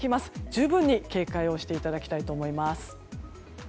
十分に警戒をしていただきたいと思います。